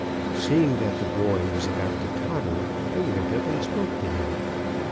Seeing that the boy was about to totter, I went up and spoke to him.